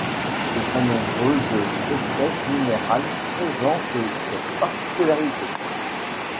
De très nombreuses espèces minérales présentent cette particularité.